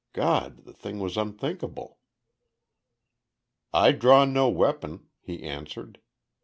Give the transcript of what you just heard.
God! the thing was unthinkable! "I draw no weapon," he answered.